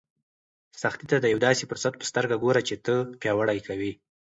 سختۍ ته د یو داسې فرصت په سترګه ګوره چې تا پیاوړی کوي.